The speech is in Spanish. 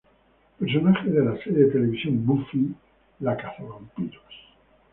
Personaje de la serie de televisión Buffy, la cazavampiros.